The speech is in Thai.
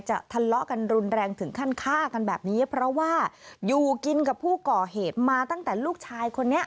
ทะเลาะกันรุนแรงถึงขั้นฆ่ากันแบบนี้เพราะว่าอยู่กินกับผู้ก่อเหตุมาตั้งแต่ลูกชายคนนี้